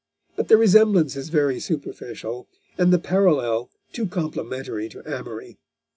But the resemblance is very superficial, and the parallel too complimentary to Amory.